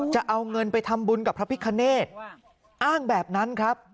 จะเอาเงินไปทำบุญกับพระพิคเนตอ้างแบบนั้นครับ